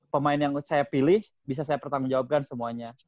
pemain yang saya pilih bisa saya pertanggung jawabkan semuanya